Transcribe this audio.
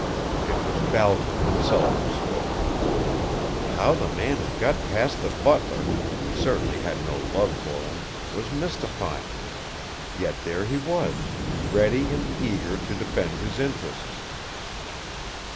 It was Balcom himself who spoke. How the man had got past the butler, who certainly had no love for him, was mystifying. Yet here he was, ready and eager to defend his interests.